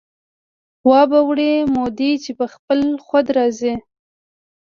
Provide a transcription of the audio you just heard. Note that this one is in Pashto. وابه وړي مودې چې په خپل خود را ځي